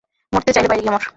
মরতে চাইলে বাইরে গিয়া মর।